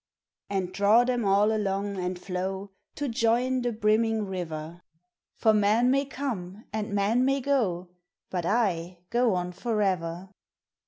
And draw them all along, and flow To join the brimming river; For men may come and men may go, But I go on forever.